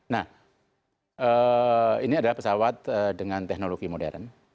nah ini adalah pesawat dengan teknologi modern